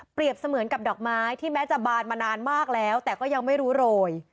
เสมือนกับดอกไม้ที่แม้จะบานมานานมากแล้วแต่ก็ยังไม่รู้โรย